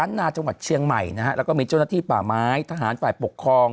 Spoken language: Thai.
นาจังหวัดเชียงใหม่นะฮะแล้วก็มีเจ้าหน้าที่ป่าไม้ทหารฝ่ายปกครอง